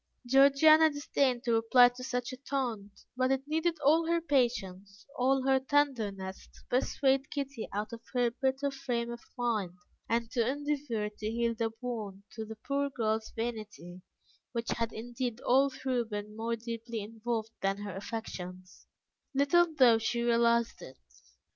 Georgiana disdained to reply to such a taunt, but it needed all her patience, all her tenderness, to persuade Kitty out of her bitter frame of mind, and to endeavour to heal the wound to the poor girl's vanity, which had indeed all through been more deeply involved than her affections, little though she realized it.